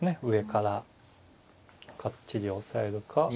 上からかっちり押さえるか。